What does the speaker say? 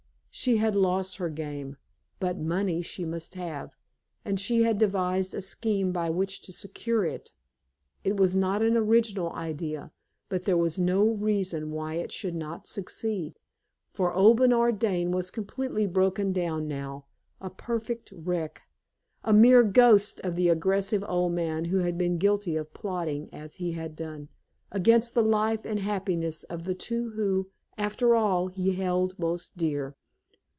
She had lost her game; but money she must have, and she had devised a scheme by which to secure it. It was not an original idea, but there was no reason why it should not succeed; for old Bernard Dane was completely broken down now a perfect wreck a mere ghost of the aggressive old man who had been guilty of plotting, as he had done, against the life and happiness of the two who, after all, he held most dear.